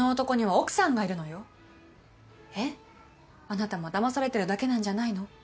あなたもだまされてるだけなんじゃないの？